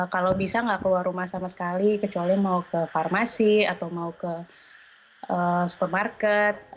kalau bisa nggak keluar rumah sama sekali kecuali mau ke farmasi atau mau ke supermarket